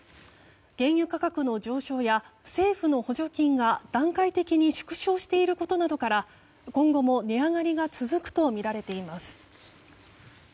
原油価格の上昇や政府の補助金が段階的に縮小していることなどから今後も値上がりが続くとみられています。